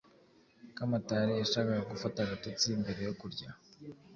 Kamatari yashakaga gufata agatotsi mbere yo kurya.